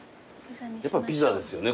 やっぱピザですよね